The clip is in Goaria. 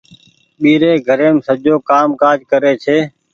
ٻيري گهريم سجو ڪآم ڪآج ڪري ڇي۔